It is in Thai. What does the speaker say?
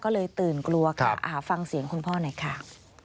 ก็เลยตื่นกลัวค่ะฟังเสียงคุณพ่อหน่อยค่ะ